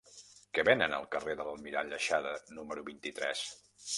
Què venen al carrer de l'Almirall Aixada número vint-i-tres?